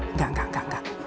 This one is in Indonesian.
enggak enggak enggak enggak